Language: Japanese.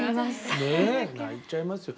ねえ泣いちゃいますよ。